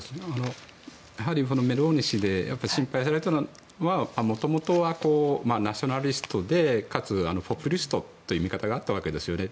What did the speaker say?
やはりメローニ氏で心配されていたのはもともとはナショナリストでかつポピュリストという見方があったわけですよね。